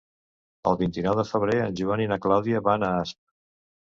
El vint-i-nou de febrer en Joan i na Clàudia van a Asp.